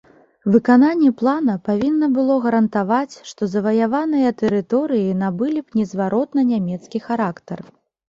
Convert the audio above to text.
Выкананне плана павінна было гарантаваць, што заваяваныя тэрыторыі набылі б незваротна нямецкі характар.